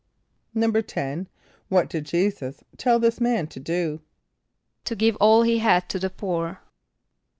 "= =10.= What did J[=e]´[s+]us tell this man to do? =To give all he had to the poor.